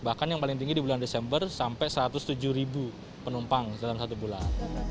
bahkan yang paling tinggi di bulan desember sampai satu ratus tujuh penumpang dalam satu bulan